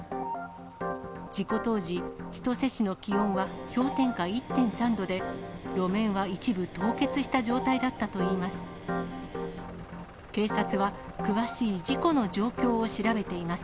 事故当時、千歳市の気温は氷点下１．３度で、路面は一部凍結した状態だったといいます。